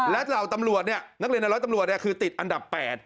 และเหล่าตำรวจเนี่ยนักเรียนในร้อยตำรวจคือติดอันดับ๘